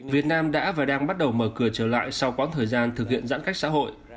việt nam đã và đang bắt đầu mở cửa trở lại sau quãng thời gian thực hiện giãn cách xã hội